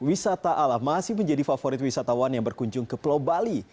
wisata alam masih menjadi favorit wisatawan yang berkunjung ke pulau bali